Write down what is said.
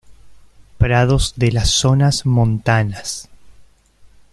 Prados de las zonas montanas.